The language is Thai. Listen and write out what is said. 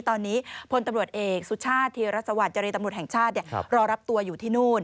ตอนนี้พลตำรวจเอกสุชาติธีรสวัสดิเจรตำรวจแห่งชาติรอรับตัวอยู่ที่นู่น